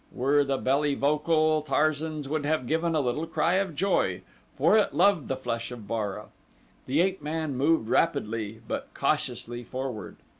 Were the belly vocal, Tarzan's would have given a little cry of joy, for it loved the flesh of Bara. The ape man moved rapidly, but cautiously forward.